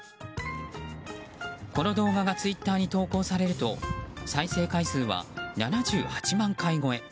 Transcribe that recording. この動画がツイッターで投稿されると再生回数は７８万回超え。